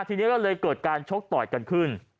ทีนี้ก็เลยเกิดการชกต่อยกันขึ้น